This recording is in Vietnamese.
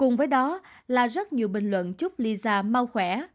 cùng với đó là rất nhiều bình luận chúc lisa mau khỏe